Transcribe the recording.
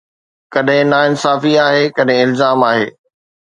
ڪڏهن ناانصافي آهي، ڪڏهن الزام آهي